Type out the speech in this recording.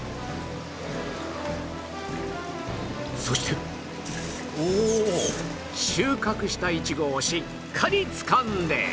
そして収穫したイチゴをしっかりつかんで